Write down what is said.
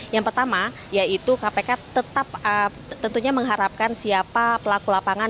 yang pertama yaitu kpk tetap tentunya mengharapkan siapa pelaku lapangan